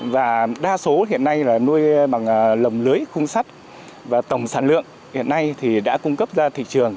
và đa số hiện nay nuôi bằng lầm lưới khung sắt và tổng sản lượng hiện nay đã cung cấp ra thị trường